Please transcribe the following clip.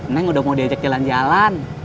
neng udah mau diajak jalan jalan